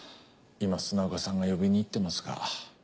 今砂岡さんが呼びに行ってますが。